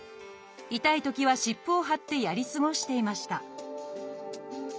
痛いときは湿布を貼ってやり過ごしていました